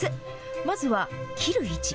まずは切る位置。